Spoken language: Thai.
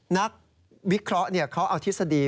นักวิเคราะห์เขาเอาทฤษฎี